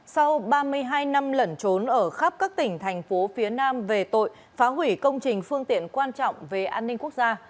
sau ba mươi hai năm lẩn trốn ở khắp các tỉnh thành phố phía nam về tội phá hủy công trình phương tiện quan trọng về an ninh quốc gia